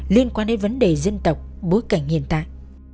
liên quan đến vấn đề dân tộc bối cảnh hiện tại